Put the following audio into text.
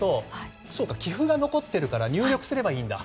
そうか棋譜が残っているから入力すればいいんだ。